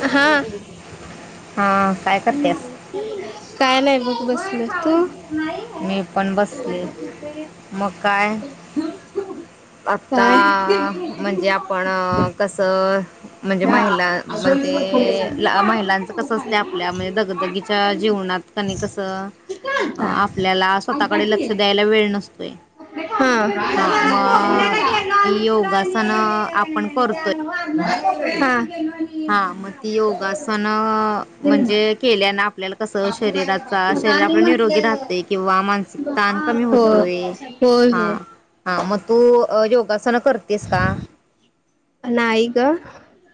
[inaudible] हा हां.. काय करत्यास काय नाही बसले तू मी पण बसले मग काय आता काय आ... म्हणजे आपण अ.. कसं म्हणजे महिला म्हणजे ए.. महिलांच कसं असते आपल्या म्हणजे दगदगीच्या जीवनात कणी कसं अ म्हणतात आपल्याला स्वतःकडे लक्ष द्यायला वेळ नसतोय. हा मग ही योगासनं आपण करतोय हा हा मग ती योगासनं म्हणजे केल्यानं आपल्याला कसं शरीरात शरीर आपलं निरोगी राहतंय किंवा मानसिक ताण कमी हा हो होतोय होय हा होय हा मग तू अ योगासनं क करतेस का? नाही ग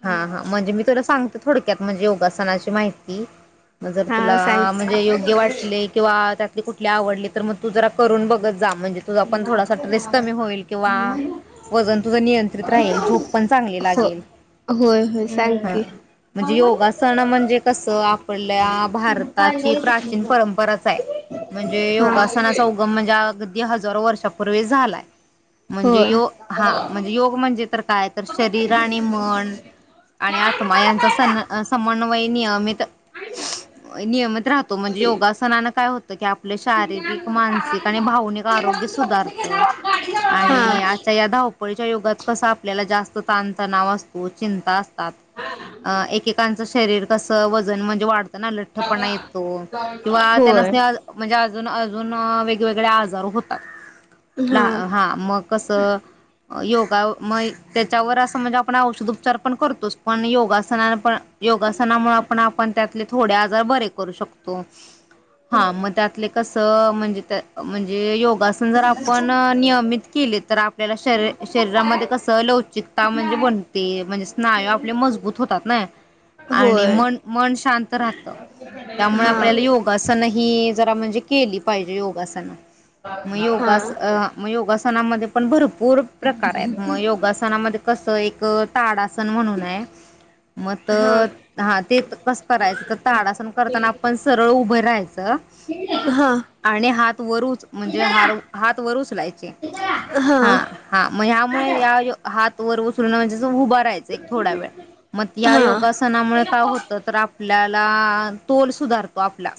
हा हा म्हणजे मी तुला सांगते थोडक्यात म्हणजे योगासनाची माहिती. मग जर हा तुला आ.. सांगते म्हणजे योग्य वाटले किंवा त्यातले कुठले आवडले तर मग तू जरा करून बघत जा. म्हणजे तुझा पण थोडासा ट्रेस कमी होईल किंवा वजन तुझं नियंत्रित राहील झोप पण चांगली हो लागेल. होय होय सांग हा की म्हणजे योगासन म्हणजे कसं आपल्या भारताची प्राचीन परंपराच आहे. म्हणजे हा योगासनाचा होय. उगम म्हणजे अगदी हजारो वर्षापूर्वीच झालाय. म्हणजे यो हा म्हणजे योग म्हणजे तर काय तर शरीर आणि मन आणि आत्मा यांचा सन्म-समन्वय नियमित त नियमित राहतो म्हणजे योगासनानं काय होत त की आपले शारीरिक, मानसिक आणि भावनिक आरोग्य सुधारतं आणि आज या धावपळीच्या युगात कसं आपल्याला जास्त ताणतणाव असतो चिंता अस तात अ एकेकांचं शरीर कसं वजन म्हणजे वाढ तना लठ्ठपणा येतो किंवा त्यांनास्नी आज म्हणजे आज अजून अजून अ वेगवेगळे आजार होतात. ला हा मग कसं योग गाव म त्याच्यावर असं म्हणजे आपण औषध उपचार पण करतोच पण योगासनानं पण योगासनामुळं पण आपण त्यातले थोडे आजार बरे करू शकतो हा म त्यातले कसं म्हणजे त्यात म्हणजे योग गासन जर आपण अ नियमित केली तर आपल्याला शरीर होय शरीरामध्ये कसं लवचिकता म्हणजे हा. बनते म्हणजे स्नाय मजबूत होतात ना आणि होय मन मन शांत राहतं. त्यामुळं हा आपल्याला योगासन ही की जरा म्हणजे केली पाहिजे योगासनं म हा योगास अ हा म योगासना मध्ये पण भरपूर प्रकार हायत म योगनामध्ये कसं एक ताड़ासन म्ह [inaudible] म हा. हा तर हा ते त कसं करायचं तर ताड़ासन करताना आपण सरळ उभं राहायचं हा हा. आणि हात वर ऊच म्हणजे हर हात वर ऊचलायचे. हा हा म ह्यामुळे या बरोबर यो हात वर उचलून म्हणजचेच उभारा थोडयावेळ, म या योगासनामुळं काय होतं तर आपल्याला तोल सुधार तो आपला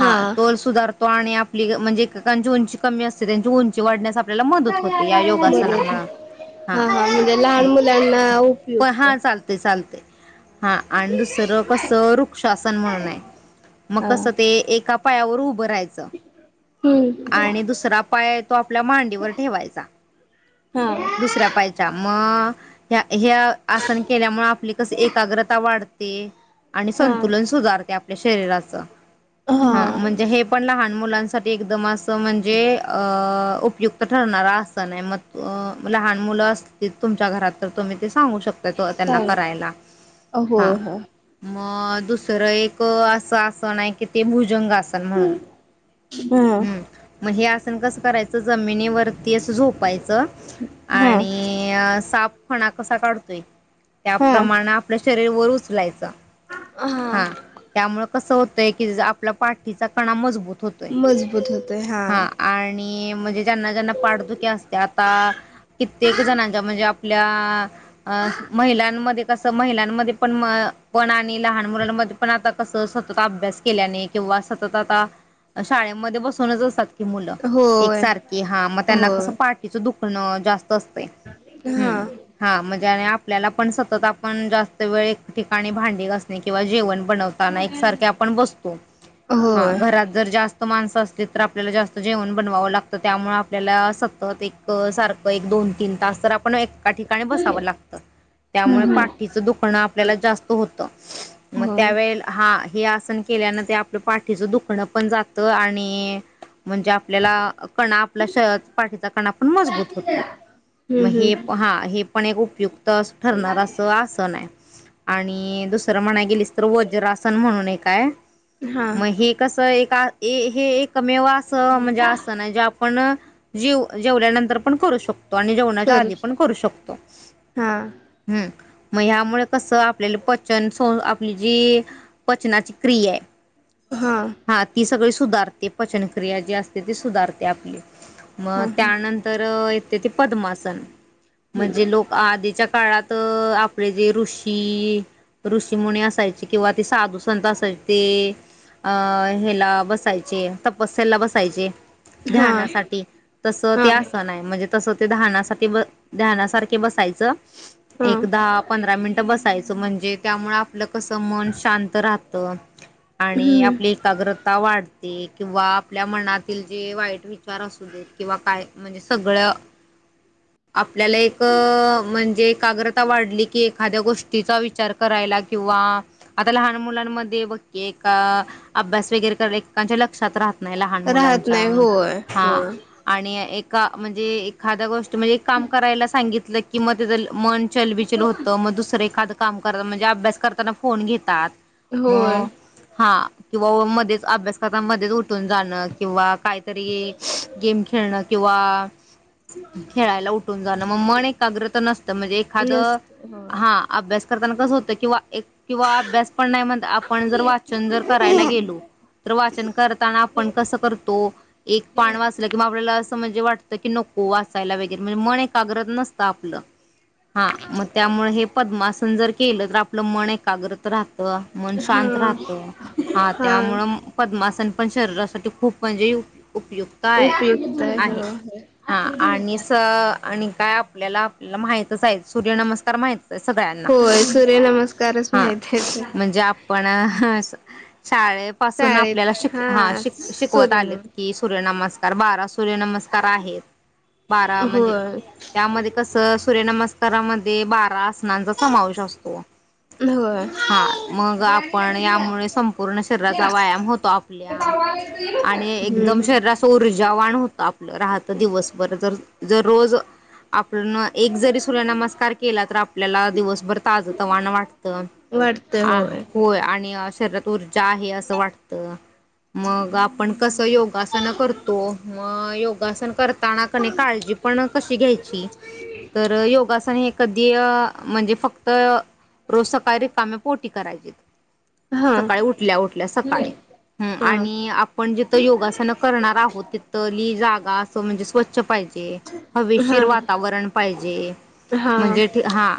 हा तोल सुधार तो आणि आपली गं म्हणजे एककांची उंची कमी असते त्यांची उंची वाढण्यास आप आपल्याला मदद होते या योगासनामुळं हा. म्हणजे लहान मुलांना प उपयुक्त. हा चालतंय चालतंय. हा आणि दुसरं कसं वृक्षासन म्हणून हाय मग हा कसं ते एक आप पायावर‌ उभ भरायचं आणि हम्म. दुसरा पाय तो आपल्या मांडीवर ठेवायचा. हा दुसऱ्या पायाच्या म एह्य आसन केल्यामुळं आपली कस एकाग्रता वाढते आणि हा संतुलन सुधारते आप पल्या शरीराचं हा हां म्हणजे हे पण लहान मुलांसाठी एकदम आसं त म्हणजे अ. उपयुक्त ठरणारा आसन हाय म तो म लहान मुलं असलीत तुमच्या घरात तर तुम्ही ते सांगू शकताय तो त्यांना चालेल करायला हा. होय होय म दुसरं एक आसं आसन हाय की ते भुजंगासन म्हणून. हा हम् म हे आसन कसं करायचं जमिनीवरती असं झोपायचं. चं हा आणि अ साप फणा कसा काढतोय? त्या हा प्रमाण आपलं शरीर वर उचलायचं हा त्यामुळं कसं होतंय की जर आपला पाठीचा कणा मजबूत होतोय. बुत होतोय हां. हा आणि म्हणजे ज्यांना ज्यांना पाठ दुःखी असते आता कित्येक जणांच्या म्हणजे आप आपल्या असं महिलांमध्ये कसं महिलांमध्ये पण म पण आ आणि लहान मुलांमध्ये पण आता कसं सतत अभ्यास केल्याने किव्वा सतत आता शाळे मध्ये बसूनच असतात की मुलं होय एकसारखी हा म त्यांना होय कसं पाठीचं दुखणं जास्त स्त असतंय हा हम्म हा म्हणजे आणि आप आपल्याला पण सतत आपण जास्त वेळ एक ठिकाणी भांडी घासणे किंवा जेवण बनवताना एक सारखे आपण बसतो हा होय घरात हर जास्त स्त माणसं असलीत तर आपल्याला जास्त जेवण बनवावं लागतं त्यामुळं आपल्याला सतत एक सारखं एक दोन दोन तीन तास तर आपण एका ठिकाणी बसावं हम्म लागतं. त्यामुळं हम्म पाठीचं दुखणं आपल्याला जास्त होतं म होय त्यावेळे हा. हे आसन केल्यानं ते आपलं पाठीचं दुखणं पण जात आणि म्हणजे आपल्याला कणा आपल्या [unintelligible] पाठीचा कणा पण मजबूत होतो. हम्म म हे हम्म प हा हे पण एक उपयुक्त असं ठरणार असं आसन हाय. आणि दुसरं म्हणाय गेलीस तर वज्रासन म्हणून आहे काय हा मग हे कस एक हे एकमेव असं म्हणजे असं ना जे आपण जेव जेवल्यानंतर पण करू शकतो. आणि जेवणाच्या कर आधी पण करू शकतो हा हम्. मग ह्यामुळे कसं आपल्याला पचन स आपली जी पचनाची क्रिया आहे. हा ती सगळी सुधारते पचनक्रिया जी असते ती सुधारते आपली मग हा त्यानंतर येते ते पद्मासन म्हणजे लोक आधीच्या काळात आपले जे ऋषी ऋषीमुनी असायची किंवा तेी साधू संत असायचे ते अ हला बस. य तपस बसायचे हा हा ध्यानासाठी तस ते अस हा म्हणजे तस. ते धहानासाठी ब धहानासारखे बसायचं. एक दहा पंधरा मिनिट बसायचं म्हणजे त्यामुळे आपलं कस मन शांत राहत. आणि हम्म आपली एकाग्रता वाढ. ते किंवा आपल्या मनातील जे वाईट विचार असू देत किंवा काय म्हणजे सगळं. [inaudible] आपल्याला एक म्हणजे एकाग्रता वाढली की एखाद्या गोष्टीचा विचार करायला किंवा आता लहान मुलांमध्ये बघकी का अभ्यास वगैरे कर. त्यां लक्षात राहत नाही लहान राहत मुलांच्या नाही होय हा. होय ए म्हणजे एखा गोष्ट म्हणजे काम करायला सांगितलं कि म मन चलबिचल होतं मग दुसरं एखादं काम करत म्हणजे अभ्यास करताना फोन घेतात. होय मग हा किंवा मध्येच अभ्यास करता मध्येच उ ून जाणं किंवा काहीतरी गेम खेळणं किंवा खेळायला उठून जाणं मग मन एकाग्रत नसतं म्हणजे एखादं. नसते हो हा अस्त करताना कस होत किंवा एक किंवा अभ्यास पण नाही म्हण आपण जर वाचन जर करायला गेलो. तर वाचन करताना आपण कस करतो एक पाण वाच कि आपल्याला म्हणजे वाटत की नको वाचायला वगैरे म्हणजे मन एकाग्रत नसतं आपलं. हा मग त्यामुळे हे पद्मासन जर केलं तर आपलं मन एकाग्रत राहत. मन हा शांत राहत हा त्यामुळं. मासां पण शरीरासाठी खूप म्हणजे उपयुक्त आहे उपयुक्त हो आहे हां आणि स आणि काय आपल्याला आपल्याला माहितच आहे सूर्य नमस्कार माहित सगळ्यांना होय सूर्यनमस्कारच हा माहित आहेच म्हणजे आपण शाळे पासून शाळेत आपल्याला शिक हा श शिकवत आलेत सूर्यनम की, सूर्य नमस्कार बारा सूर्यनमस्कार आहेत. बारा म्हणजे होय त्यामध्ये कस सूर्यनमस्कारामध्ये बारा अस लनाचा समावेश असतो. होय हा मग आपण यामुळे संपूर्ण शरीराचा व्यायाम होतो. आपल्या आणि एकदम हम्म शरीरास ऊर्जावाण होत आपलं राहत तर दिवसभर जर जर रोज आपण एक जरी सूर्यनमस्कार केला तर आपल्याला दिवसभर ताज तवाण वाटतं. आ होय आणि असं म आपण कस योगासन करतो [unintelligible] योगासन करताना क काळजी पण कशी घ्यायची तर योगासन हे कधी म्हणजे फक्त रोज सकाळी रीकामे पोटी करायची. हा सकाळी उठल्या उठल्या सकाळी हम्म हा आणि आपण जिथं योगासन करणार आहोत तिथ लि जागा असं म्हणजे स्वच्छ पाहिजे. हा हवेशीर वातावरण पाहिजे हा म्हणजे हा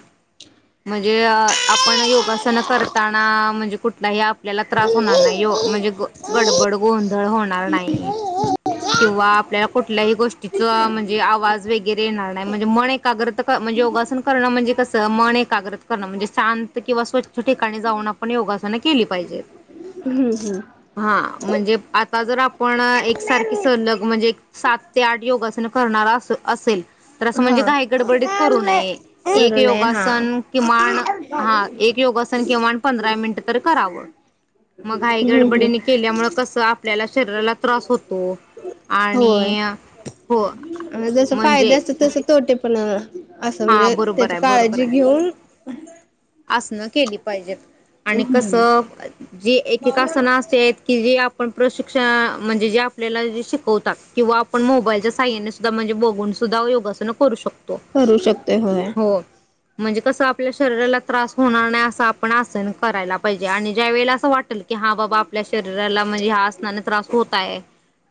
म्हणजे आपण योगासन करताना म्हणजे कुठ. हे आपल्याला त्रास होणार नाही यो म्हणजे गडबड गोंधळ होणार नाही. किंवा आपल्याला कुठल्याही गोष्टीचा म्हणजे आवाज वगैरे येणार नाही म्हणजे मन एकाग्र म्हणजे योगासन करण म्हणजे कसं मन एकाग्र करणं म्हणजे शांत किंवा स्वच्छ ठिकाणी जाऊन आपण योग केली पाहिजेत. हम् हम हा म्हणजे आता जर आपण एकसारखी हम्म सलग म्हणजे सात ते आठ योगासन करणार. अस असेल. तर असं हा म्हणजे काही गडबडीत करू नये एक नये हा योगासन किमान हा एक योगासन केवन पंधरा मिनिट तर करावं. मग घाई हम्म हम्म गडबडीने केल्यामुळे कसं आपल्याला शरीराला त्रास होत. हो होय आणि हो जस फायदे म्हणजे असत तस तोटे पण असं हा म्हणजे बरोबर त्याची आहे बरोबर काळजी आहे घेऊन, आसनं केली पाहिजेत आणि कसं जी एकेका आसनं असे आहेत. की जे आपण प्रशिक्षण म्हणजे जे आपल्याला जे शिकवतात किंवा आपण मोबाईलच्या साह्याने सुद्धा ण बघून सुद्धा योगासन करू शकतो. करू शकते होय. हो. म्हणजे कसं आपल्या शरीराला त्रास होणार नाही असं आपण करायला पाहिजे आणि ज्या वेळे असं वाट की हा बाबा आपल्या शरीराला म्हणजे ह्याआसनाने त्रास होतय.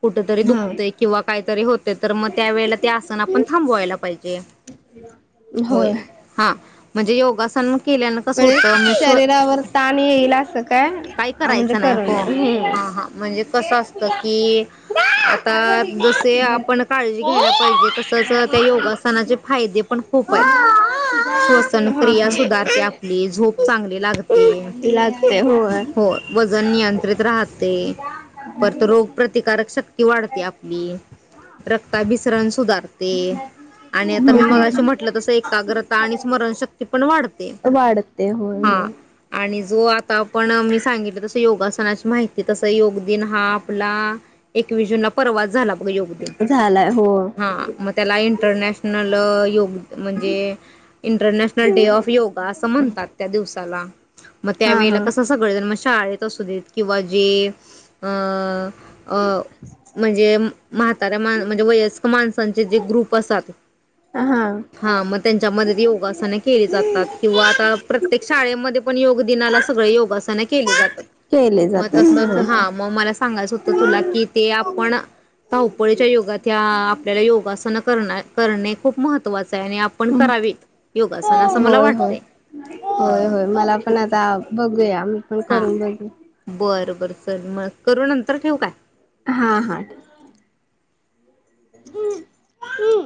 कुठ तरी हा दुखतेय किंवा काहीतरी होते तर मग त्या वेळेला ते आसन आपण थांबवायला पाहिजे. होय. हा म्हणजे योगासन केल्यान कस म्हणजे होत म श शरीरावर ताण येईल असं काय काही म्हणजे करायचं नाही करू हो, नये हा म्हणजे कसं असतं की, आता जसे हम्म आपण काळजी घ्यायला पाहिजे तसच त्या योगासनाचे फायदे खूप आहेत शवसन हा क्रिया हा सुधारते. झोप चांगली लागते. लागते होय हो वजन नियंत्रित राहते. परत रोग प्रतिकारक शक्ती वाढते आपली रक्ताभिसरण सुधारते, आणि आता हम्म मी हम्म मगे म्हटलं तस एकाग्रता आणि स्मरणशक्ती पण वाढते. वाढते होय हा होय आणि जो आता आपण मी सांगितलं तस योगासने माहिती तस योग दिन हा आपला एकवीस जून परवा झाला झालाय हो ह इ म्हणजे इंटरनॅशनल डे ऑफ योगा असं म्हणतात त्या दिवसाला मग हा त्यावेेळेला हा कसं सगळजण मग शाळेत असू देत किंवा जे अं अ म्हणजे म्हातऱ्या माणसाला म्हणजे वय माणचे जे ग्रुप अस हा हा मग त्यांच्या म योगासना केली जातात किंवा आता प्रत्येक शाळेमध्ये पण योग दिनाला सगळे योगासना केली जातात केले मग जातात तसच हा मग मला सांगायचं होतं तुला कि ते आपण धावपळीच्या युगात या आपल्याला योगासन कर करणे खूप महत् आपण करावीत योगासन असं मला होय होय वाटतय होय होय मला पण आता बघूया मी पण करून बघू र च मग करू नंतर ठेवू काय हा हा हम्म हम्